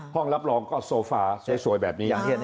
รับรองก็โซฟาสวยแบบนี้